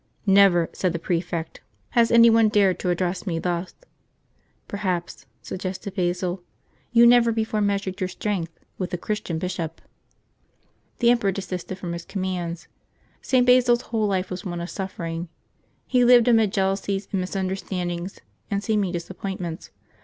" Never," said the prefect, " has any one 218 LIVES OF THE SAINTS [June 15 dared to address me thus/' ^* Perhaps/' suggested Basil, ^'you never before measured your strength with a Chris tian bishop." The emperor desisted from his commands. St Basil's whole life was one of suffering. He lived amid jealousies and misunderstandings and seeming disappoint ments.